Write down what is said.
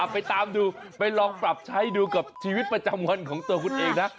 ไปตามดูไปลองปรับใช้ดูกับชีวิตประจำวันของตัวคุณเองนะ